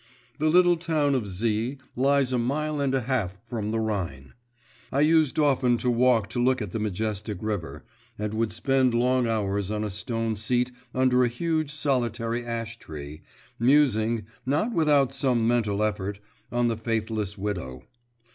The little town of Z. lies a mile and a half from the Rhine. I used often to walk to look at the majestic river, and would spend long hours on a stone seat under a huge solitary ash tree, musing, not without some mental effort, on the faithless widow.